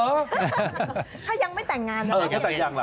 ถ้ายังไม่แต่งงาน